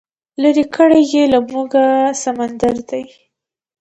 لرې کړی یې له موږه سمندر دی